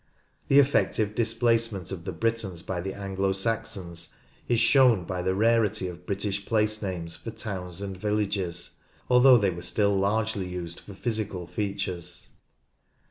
The effective displacement of the Britons by the Anglo Saxons is shown by the rarity of British place names for towns and villages, though they were still largely used for physical features.